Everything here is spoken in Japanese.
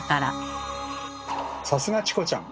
さすがチコちゃん！